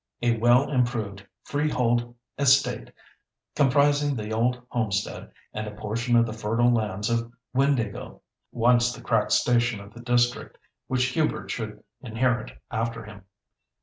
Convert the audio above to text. A well improved freehold estate comprising the old homestead, and a portion of the fertile lands of Windāhgil, once the crack station of the district, which Hubert should inherit after him.